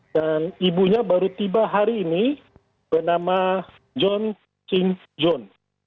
dan ibunya baru tiba hari ini bernama john singh john